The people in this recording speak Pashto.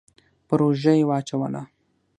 پر اوږه يې واچوله.